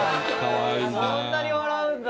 「そんなに笑うんだ」